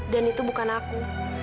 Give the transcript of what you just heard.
dan itu bukan aku